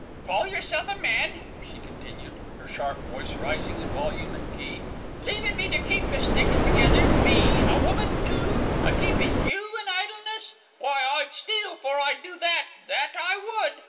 "Call yerself a man!" she continued, her sharp voice rising in volume and key. "Leavin' me to keep the sticks together me, a woman too, a keepin' you in idleness! Why, I'd steal 'fore I'd do that, that I would."